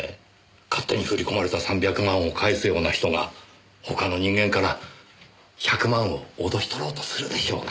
勝手に振り込まれた３００万を返すような人が他の人間から１００万を脅し取ろうとするでしょうか？